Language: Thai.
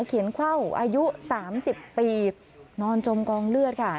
เขียนเข้าอายุ๓๐ปีนอนจมกองเลือดค่ะ